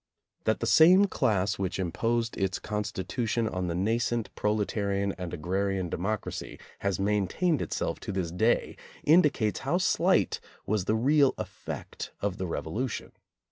That the same class which imposed its constitu tion on the nascent proletarian and agrarian de mocracy has maintained itself to this day indicates how slight was the real effect of the Revolution.